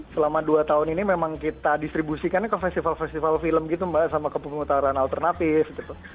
selama dua tahun ini memang kita distribusikannya ke festival festival film gitu mbak sama ke pemutaran alternatif gitu